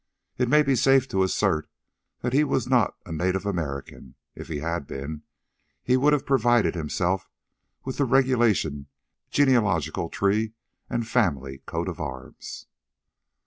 It may be safe to assert that he was not a native American; if he had been, he would have provided himself with the regulation genealogical tree and family coat of arms.